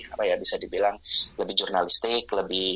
apa ya bisa dibilang lebih jurnalistik